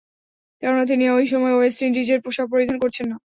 কেননা, তিনি ঐ সময়ে ওয়েস্ট ইন্ডিজের পোশাক পরিধান করছেন না।